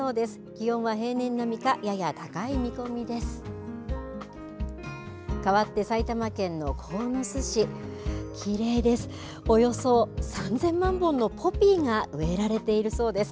気温は平年並みかやや高い見込みです。